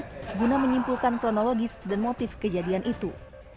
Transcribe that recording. karena guna menyimpulkan kronologis dan motif kejadian itu